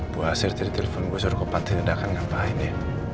buah asir tiri telpon gua suruh ke pantai tidak akan ngapain ya